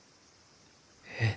えっ？